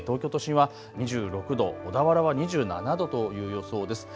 東京都心は２６度、小田原は２７度という予想です。